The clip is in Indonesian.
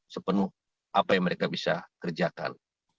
sepenuh apa yang mereka bisa kerjakan